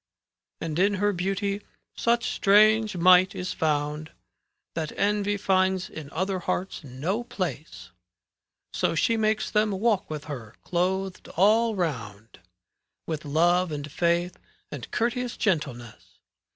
And in her beauty such strange might is found, ^ That envy finds in other hearts no place ; So she makes them walk with her, clothed all round With love and faith and courteous gentleness.